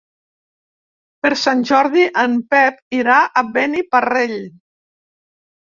Per Sant Jordi en Pep irà a Beniparrell.